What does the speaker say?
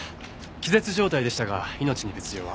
気絶状態でしたが命に別条は。